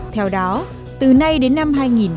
theo đó từ nay đến năm hai nghìn hai mươi